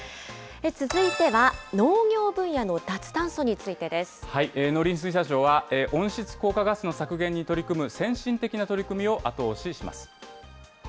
続いては、農業分野の脱炭素につ農林水産省は、温室効果ガスの削減に取り組む先進的な取り組みを後押しします。